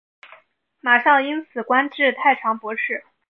马韶因此官至太常博士。